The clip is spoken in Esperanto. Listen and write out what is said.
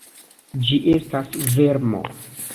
Ĝi estas vermo.